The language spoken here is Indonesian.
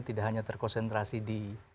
tidak hanya terkonsentrasi di